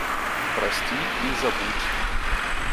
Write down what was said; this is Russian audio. Прости и забудь.